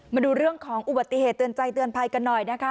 มาดูเรื่องของอุบัติเหตุเตือนใจเตือนภัยกันหน่อยนะคะ